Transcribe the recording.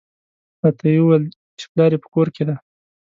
راته یې وویل چې پلار یې په کور کې دی.